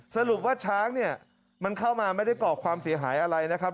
สรุปว่าช้างเนี่ยมันเข้ามาไม่ได้ก่อความเสียหายอะไรนะครับ